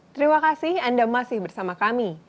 terima kasih anda masih bersama kami